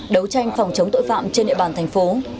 đấu tranh phòng chống tội phạm trên địa bàn thành phố